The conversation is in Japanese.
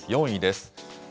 ４位です。